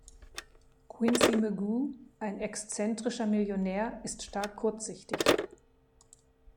Quincy Magoo, ein exzentrischer Millionär, ist stark kurzsichtig.